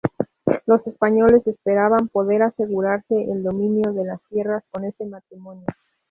Los españoles esperaban poder asegurarse el dominio de las tierras con ese matrimonio.